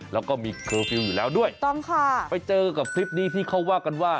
แล้วก็มีเคอร์ฟิลล์อยู่แล้วด้วยถูกต้องค่ะไปเจอกับคลิปนี้ที่เขาว่ากันว่า